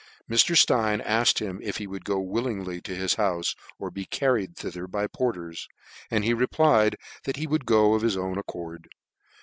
Mr. Stein afked him if he would go willingly to his houfe, or be carried thither by porters: and he, replied that he would go of his own accord.